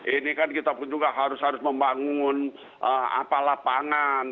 ini kan kita pun juga harus harus membangun lapangan